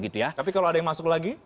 tapi kalau ada yang masuk lagi